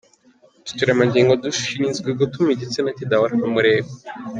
Utu turemangingo dushinzwe gutuma igitsina kidahorana umurego.